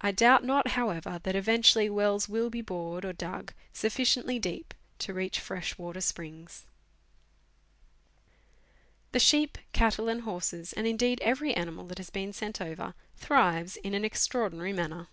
I doubt not, however, that eventually wells will be bored or dug sufficiently deep to reach fresh water springs. The sheep, cattle, and horses, and indeed every animal that has been sent over, thrives in an extraordinary manner.